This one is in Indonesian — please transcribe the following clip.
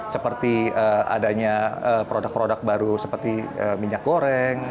seperti adanya produk produk baru seperti minyak goreng